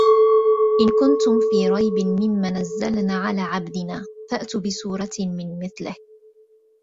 إِنْ كُنْتُمْ فِي رَيْبٍ مِمَّا نَزَّلْنَا عَلَىٰ عَبْدِنَا فَأْتُوا بِسُورَةٍ مِنْ مِثْلِهِ